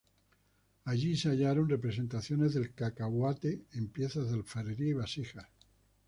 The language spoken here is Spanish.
Allí se hallaron representaciones del cacahuate en piezas de alfarería y vasijas.